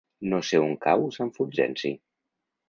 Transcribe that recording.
No sé on cau Sant Fulgenci.